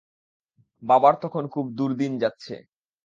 বাবার তখন খুব দুর্দিন যাচ্ছে।